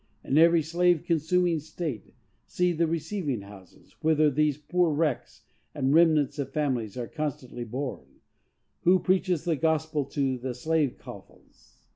In every slave consuming state see the receiving houses, whither these poor wrecks and remnants of families are constantly borne! Who preaches the gospel to the slave coffles?